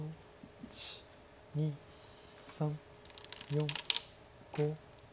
１２３４５。